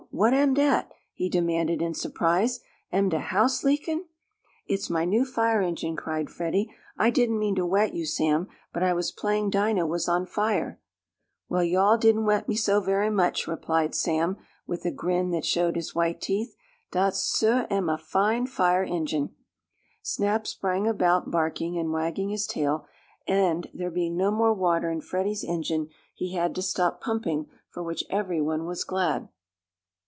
What am dat?" he demanded in surprise. "Am de house leakin'?" "It's my new fire engine!" cried Freddie. "I didn't mean to wet you, Sam, but I was playing Dinah was on fire!" "Well, yo' all didn't wet me so very much," replied Sam, with a grin that showed his white teeth. "Dat suah am a fine fire engine!" Snap sprang about, barking and wagging his tail, and, there being no more water in Freddie's engine, he had to stop pumping, for which every one was glad.